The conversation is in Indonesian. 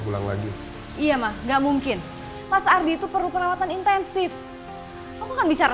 pulang lagi iya mah nggak mungkin pas ardi itu perlu perawatan intensif bisa